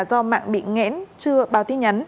do mạng bị nghẽn chưa báo tin nhắn